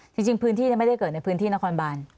จริงพื้นที่ไม่ได้เกิดในพื้นที่นครบาน